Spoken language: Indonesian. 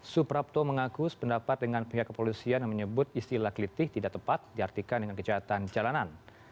suprapto mengaku sependapat dengan pihak kepolisian yang menyebut istilah kelitih tidak tepat diartikan dengan kejahatan jalanan